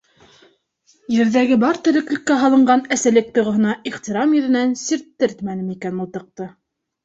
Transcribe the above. Ерҙәге бар тереклеккә һалынған әсәлек тойғоһона ихтирам йөҙөнән сирттермәне микән мылтыҡты?